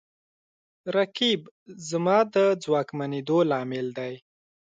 رقیب زما د ځواکمنېدو لامل دی